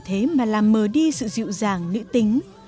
thế mà làm mờ đi sự dịu dàng nữ tính